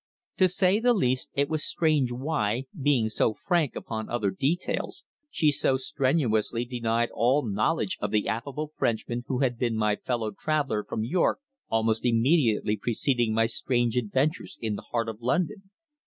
To say the least it was strange why, being so frank upon other details, she so strenuously denied all knowledge of the affable Frenchman who had been my fellow traveller from York almost immediately preceding my strange adventures in the heart of London.